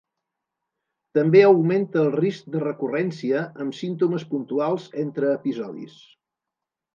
També augmenta el risc de recurrència, amb símptomes puntuals entre episodis.